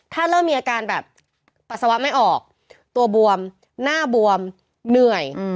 ถ้าเริ่มมีอาการแบบปัสสาวะไม่ออกตัวบวมหน้าบวมเหนื่อย